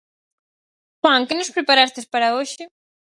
Juan que nos preparastes para hoxe?